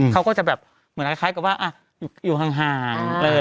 เขาก็จะแบบเหมือนกับอยู่ห่าง